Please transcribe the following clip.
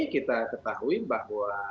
kita ketahui bahwa